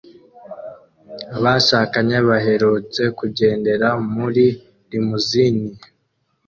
Abashakanye baherutse kugendera muri limousine